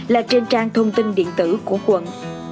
là trên trang thông tin điện tử của quận